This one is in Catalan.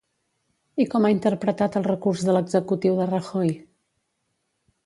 I com ha interpretat el recurs de l'executiu de Rajoy?